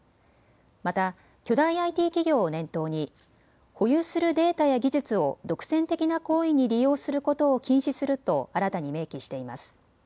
また巨大ＩＴ企業を念頭に保有するデータや技術を独占的な行為に利用することを禁止すると新たに明記しています。